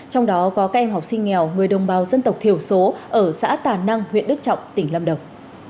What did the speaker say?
trong đó có các em học sinh nghèo người đồng bào dân tộc thiểu số ở xã tà năng huyện đức trọng tỉnh lâm đồng